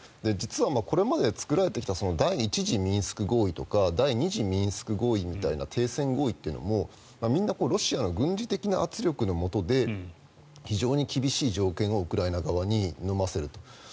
実はこれまで作られてきた第１次ミンスク合意とか第２次ミンスク合意みたいな停戦合意というのものもみんなロシアの軍事的な圧力のもとで非常に厳しい条件をウクライナ側にのませると。